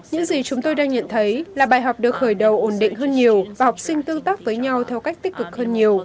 những gì chúng tôi đang nhận thấy là bài học được khởi đầu ổn định hơn nhiều và học sinh tương tác với nhau theo cách tích cực hơn nhiều